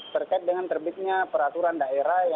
terkait dengan terbitnya peraturan daerah